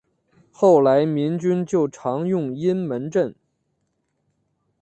后来民军就常用阴门阵。